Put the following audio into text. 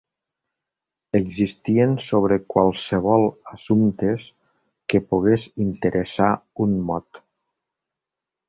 Existien sobre qualssevol assumptes que pogués interessar un mod.